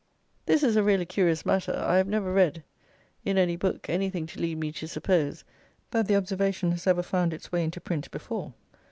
This is a really curious matter. I have never read, in any book, anything to lead me to suppose that the observation has ever found its way into print before.